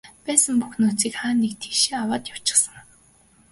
Байсан бүх нөөцийг хаа нэг тийш нь аваад явсан.